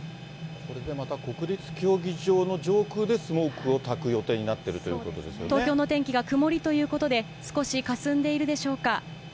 これでまた国立競技場の上空でスモークをたく予定になってい東京の天気が曇りということで、少しかすんでいるでしょうか。